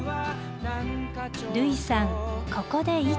類さんここで一句。